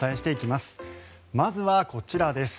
まずはこちらです。